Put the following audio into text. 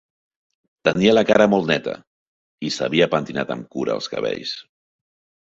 Tenia la cara molt neta i s'havia pentinat amb cura els cabells